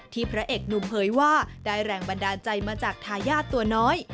พระเอกหนุ่มเผยว่าได้แรงบันดาลใจมาจากทายาทตัวน้อย